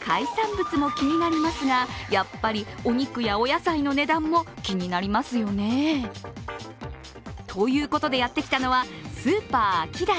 海産物も気になりますが、やっぱりお肉やお野菜の値段も気になりますよね。ということでやってきたのは、スーパーアキダイ。